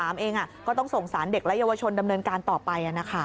เองก็ต้องส่งสารเด็กและเยาวชนดำเนินการต่อไป